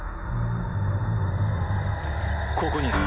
ここに？